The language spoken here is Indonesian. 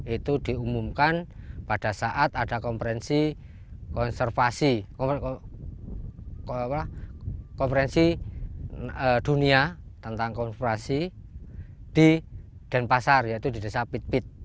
itu diumumkan pada saat ada konferensi dunia tentang konservasi di denpasar yaitu di desa pit pit